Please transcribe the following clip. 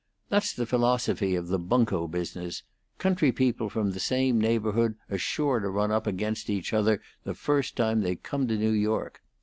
That's the philosophy of the bunco business; country people from the same neighborhood are sure to run up against each other the first time they come to New York.